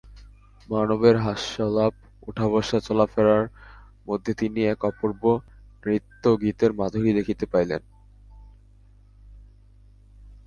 মানবের হাস্যালাপ, ওঠাবসা, চলাফেরার মধ্যে তিনি এক অপূর্ব নৃত্যগীতের মাধুরী দেখিতে পাইলেন।